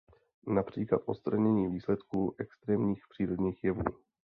Například odstranění výsledků extrémních přírodních jevů.